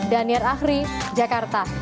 danir ahri jakarta